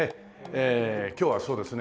えー今日はそうですね